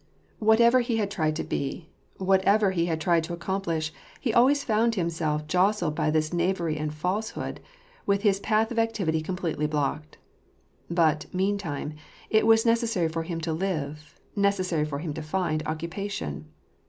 Whatever he had tried to be, whatever he had tried to accomplish, he always found himself jostled by this knavery and falsehood, with his path of activity completely blocked. But, meantime, it was necessary for him to live, necessary for him to find occupation.